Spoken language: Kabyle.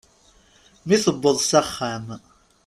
Mi tewweḍ s axxam.